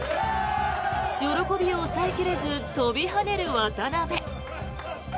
喜びを抑え切れず飛び跳ねる渡邊。